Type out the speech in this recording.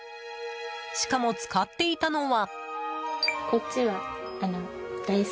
しかも、使っていたのは。